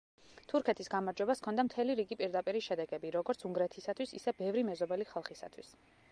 თურქეთის გამარჯვებას ჰქონდა მთელი რიგი პირდაპირი შედეგები როგორც უნგრეთისათვის ისე ბევრი მეზობელი ხალხისათვის.